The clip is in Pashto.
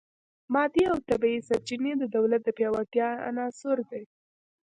مادي او طبیعي سرچینې د دولت د پیاوړتیا عناصر دي